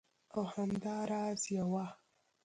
او همدا راز یوه